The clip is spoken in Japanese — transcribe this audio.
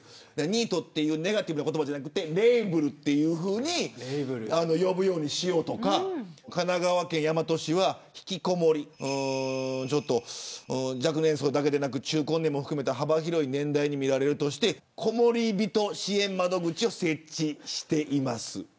ニートというネガティブな言葉ではなくレイブルと呼ぶようにしようとか神奈川県大和市は引きこもりが若年層だけではなく幅広い年代に見られるとしてこもりびと支援窓口を設置しています。